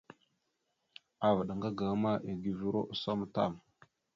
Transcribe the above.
Avaɗ ŋga gaŋa ma eguvoróosom tam.